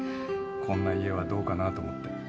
こんな家はどうかなと思って。